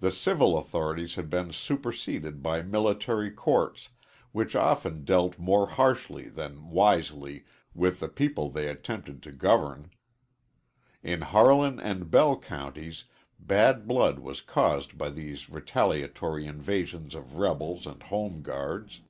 The civil authorities had been superseded by military courts which often dealt more harshly than wisely with the people they attempted to govern. In Harlan and Bell Counties bad blood was caused by these retaliatory invasions of rebels and Home Guards.